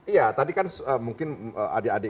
iya tadi kan mungkin adik adik